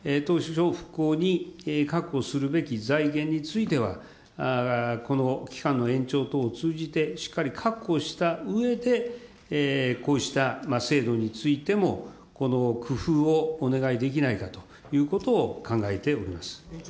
復興に確保するべき財源については、この期間の延長等を通じてしっかり確保したうえで、こうした制度についても、この工夫をお願いできないかということを考えております。